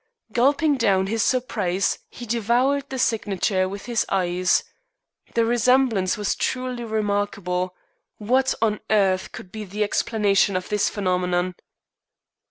Gulping down his surprise, he devoured the signature with his eyes. The resemblance was truly remarkable. What on earth could be the explanation of this phenomenon.